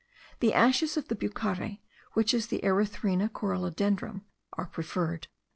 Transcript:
The ashes of the bucare, which is the Erythrina corallodendrum, are preferred.